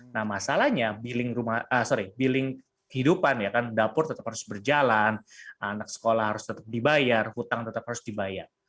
nah masalahnya billing hidupan dapur tetap harus berjalan anak sekolah harus tetap dibayar hutang tetap harus dibayar